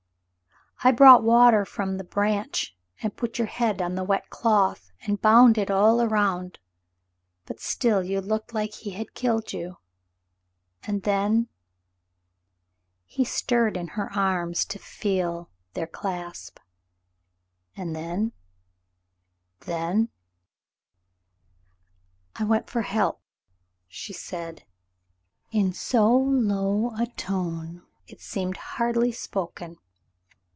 I brought water from the branch and put your head on the wet cloth and bound it all around, but still you looked like he had killed you, and then —" he stirred in her arms to feel their clasp. "And then — then— " "I went for help," she said, in so Iowa tone it seemed hardly spoken.